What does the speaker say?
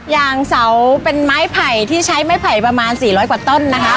ยางเสาเป็นไม้ไผ่ที่ใช้ไม้ไผ่ประมาณ๔๐๐กว่าต้นนะคะ